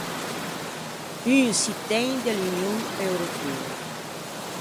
Un çittæn de l’Union Europea.